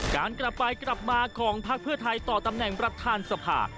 การกลับไปกลับมาของพักเพื่อไทยต่อตำแหน่งประธานสภา